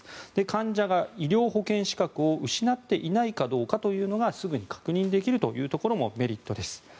患者が医療保険資格を失っていないかどうかがすぐに確認できるというところもメリットです。